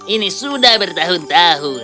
ini sudah bertahun tahun